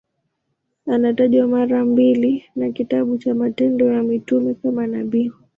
Anatajwa mara mbili na kitabu cha Matendo ya Mitume kama nabii.